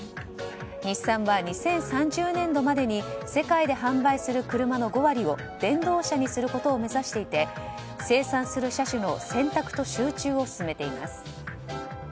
日産は２０３０年度までに世界で販売する車の５割を電動車にすることを目指していて生産する車種の選択と集中を進めています。